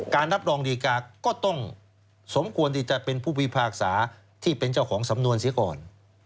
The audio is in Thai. รับรองดีกาก็ต้องสมควรที่จะเป็นผู้พิพากษาที่เป็นเจ้าของสำนวนเสียก่อน